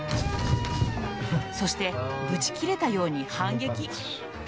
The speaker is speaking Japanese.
そして、ぶち切れたように反撃。